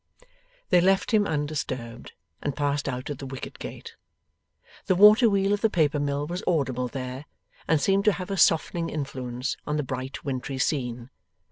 They left him undisturbed, and passed out at the wicket gate. The water wheel of the paper mill was audible there, and seemed to have a softening influence on the bright wintry scene.